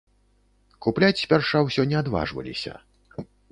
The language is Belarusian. Купляць спярша ўсё не адважваліся.